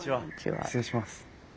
失礼します。